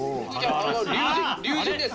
龍神です！